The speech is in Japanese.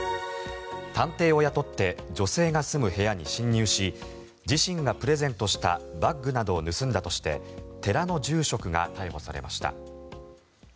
探偵を雇って女性が住む部屋に侵入し自身がプレゼントしたバッグなどを盗んだとして寺の住職が逮捕されました。